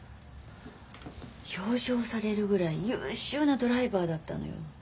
表彰されるぐらい優秀なドライバーだったのよ。